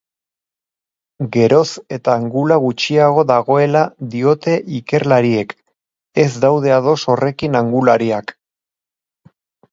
Geroz eta angula gutxiago dagoela diote ikerlariek, ez daude ados horrekin angulariak.